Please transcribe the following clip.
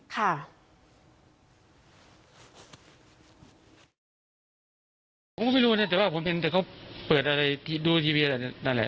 ผมก็ไม่รู้นะแต่ว่าผมเห็นแต่เขาเปิดอะไรดูทีวีอะไรนั่นแหละ